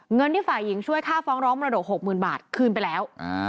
เงินที่ฝ่ายหญิงช่วยค่าฟ้องร้องมรดก๖๐๐๐บาทคืนไปแล้ว